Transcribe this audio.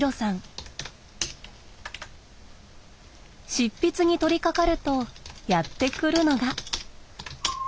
執筆に取りかかるとやって来るのが。